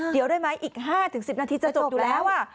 เดี๋ยวได้ไหมอีก๕๑๐นาทีจะจบอยู่แล้ว